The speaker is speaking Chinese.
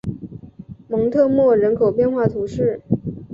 蒙特莫人口变化图示